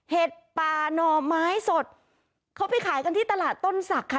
เห็ดปลาหน่อไม้สดเขาไปขายกันที่ตลาดต้นศักดิ์ค่ะ